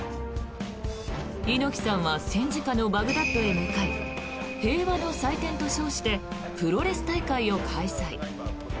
猪木さんは戦時下のバグダッドへ向かい平和の祭典と称してプロレス大会を開催。